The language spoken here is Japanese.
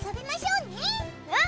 うん。